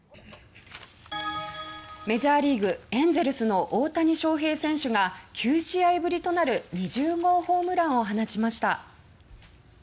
メジャーリーグエンゼルスの大谷翔平選手が９試合ぶりとなる２０号ホームランを放ちました。